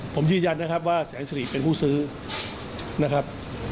ผมยืนยันนะครับว่าแสงสิริเป็นผู้ซื้อนะครับ